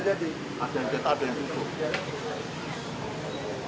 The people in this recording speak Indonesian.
ada yang jatah ada yang bubuk